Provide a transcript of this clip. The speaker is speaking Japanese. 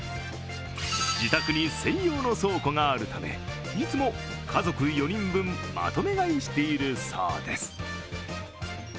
自宅に専用の倉庫があるため、いつも家族４人分、まとめ買いしているそうです。